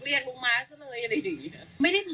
เรียกลงมาซะเลยอะไรยังงี้